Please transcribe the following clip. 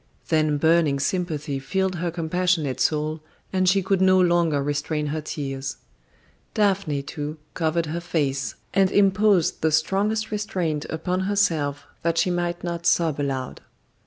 Then burning sympathy filled her compassionate soul, and she could no longer restrain her tears. Daphne, too, covered her face, and imposed the strongest restraint upon herself that she might not sob aloud.